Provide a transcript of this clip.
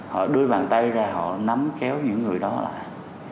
họ đưa bàn tay ra họ nắm kéo những người đó lại